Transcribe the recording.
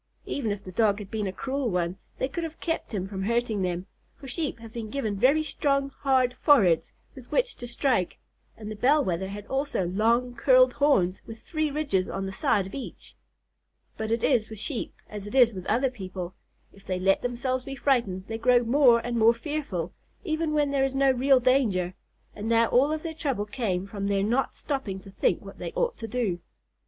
Even if the Dog had been a cruel one, they could have kept him from hurting them, for Sheep have been given very strong, hard foreheads with which to strike, and the Bell Wether had also long, curled horns with three ridges on the side of each. But it is with Sheep as it is with other people, if they let themselves be frightened they grow more and more fearful, even when there is no real danger and now all of their trouble came from their not stopping to think what they ought to do.